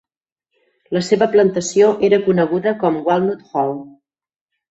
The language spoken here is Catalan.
La seva plantació era coneguda com Walnut Hall.